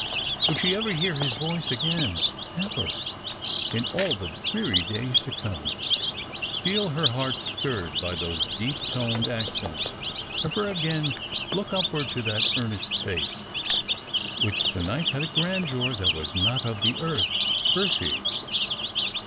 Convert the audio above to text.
Would she ever hear his voi'ce again — ever, in all the dreary days to come, feel her heart stirred by those deep toned accents — ever again look upward to that earnest face, which to night had a grandeur that was not of the earth, earthy?